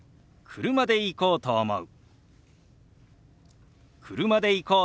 「車で行こうと思う」。